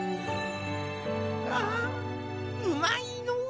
ああうまいのう。